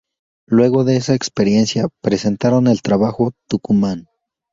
Luego de esa experiencia, presentaron el trabajo “"Tucumán.